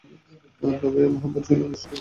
তবে এ মহব্বত ছিল নিষ্কলুষ।